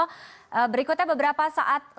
berikutnya beberapa saat lalu beberapa waktu lalu